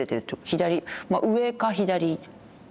左上か左。